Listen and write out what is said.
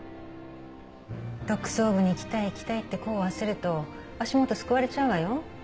特捜部に行きたい行きたいって功を焦ると足元すくわれちゃうわよ。